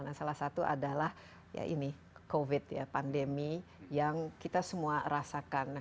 nah salah satu adalah ya ini covid ya pandemi yang kita semua rasakan